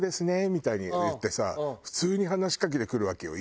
みたいに言ってさ普通に話しかけてくるわけよ